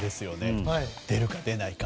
出るか出ないか。